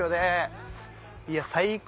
いや最高。